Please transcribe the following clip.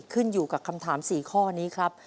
ขึ้นอยู่กับคำถาม๔ข้อนี้ครับ